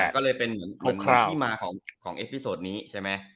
ก็เลยเป็นเหมือนที่มาของเอฟพิโซดนี้ใช่ไหม